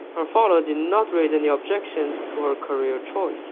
Her father did not raise any objections to her career choice.